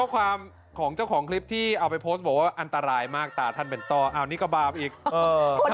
ความของเจ้าของคลิปที่เอาไปโพสต์บอกว่าอันตรายมากตาท่านเป็นต่ออ้าวนี่ก็บาปอีกเออ